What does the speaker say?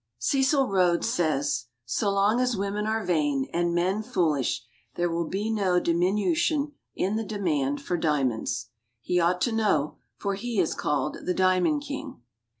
Cecil Rhodes says: "So long as women are vain and men foolish there will be no diminution in the demand for diamonds." He ought to know, for he is called the "Diamond King."